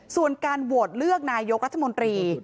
ส่วนการโหวตเลือกนายกรัฐมนตรี